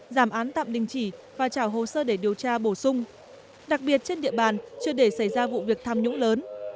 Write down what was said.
giảm án tạm đình chỉ và trả hồ sơ để điều tra bổ sung đặc biệt trên địa bàn chưa để xảy ra vụ việc tham nhũng lớn